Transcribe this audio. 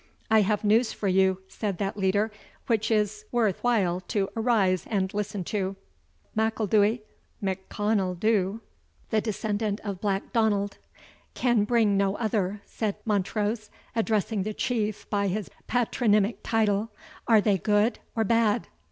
"I have news for you," said that leader, "which is worth while to arise and listen to." "M'Ilduy [Mhich Connel Dhu, the descendant of Black Donald.] can bring no other," said Montrose, addressing the Chief by his patronymic title "are they good or bad?"